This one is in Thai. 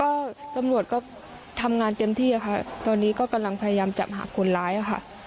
ก็ตำรวจก็ทำงานเต็มที่ค่ะตอนนี้ก็กำลังพยายามจับหาคนร้ายค่ะ